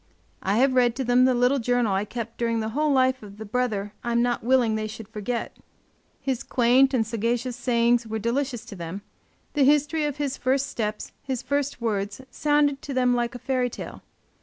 I have read to them the little journal I kept during the whole life of the brother I am not willing they should forget. His quaint and sagacious sayings were delicious to them; the history of his first steps, his first words sounded to them like a fairy tale.